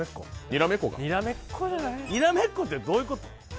にらめっこってどういうこと？